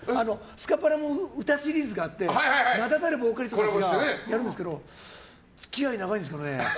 スカパラの歌シリーズがあって名だたるボーカリストがいますが付き合い長いんですけどね。